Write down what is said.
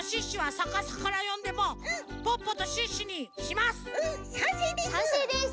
さんせいです！